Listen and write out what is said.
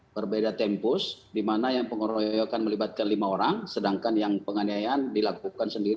berbeda tempus di mana yang pengeroyokan melibatkan lima orang sedangkan yang penganiayaan dilakukan sendiri